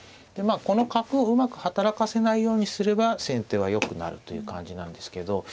でまあこの角をうまく働かせないようにすれば先手は良くなるという感じなんですけど。